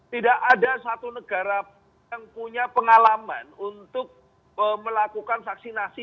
tidak ada satu negara yang punya pengalaman untuk melakukan vaksinasi